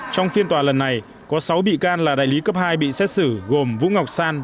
trong phiên tòa lần này có sáu bị can là đại lý cấp hai bị xét xử gồm vũ ngọc san